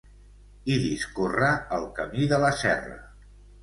Hi discorre el Camí de la Serra.